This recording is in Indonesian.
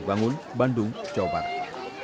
bangun bandung jawa barat